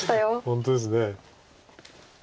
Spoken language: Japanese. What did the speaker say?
本当ですね。